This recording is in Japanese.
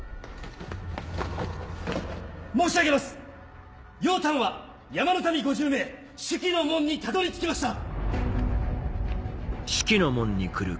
申し上げます楊端和山の民５０名朱亀の門にたどり着きました。